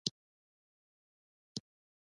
انسان چې یو شی نشي ترلاسه کولی نو بد یې ګڼي.